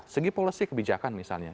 segi polosi kebijakan misalnya